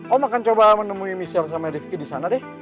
om akan coba menemui misiar sama rivki di sana deh